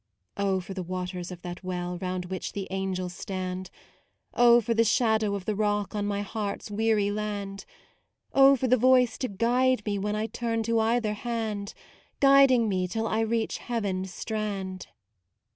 IO2 MAUDE Oh for the waters of that Well Round which the Angels stand; Oh for the Shadow of the Rock On my heart's weary land. Oh for the Voice to guide me when I turn to either hand, Guiding me till I reach Heaven's strand.